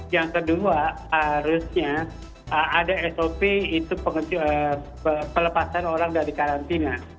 yang kedua harusnya ada sop itu pelepasan orang dari karantina